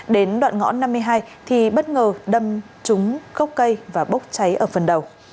đến đoạn ngõ năm mươi hai thì bất ngờ đâm trúng cây và bốc cháy ở phần đầu